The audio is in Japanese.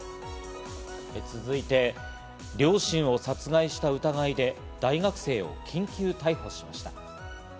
続いて、両親を殺害した疑いで、大学生を緊急逮捕しました。